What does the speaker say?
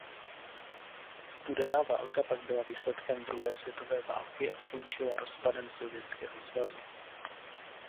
Studená válka pak byla výsledkem druhé světové války a skončila rozpadem Sovětského svazu.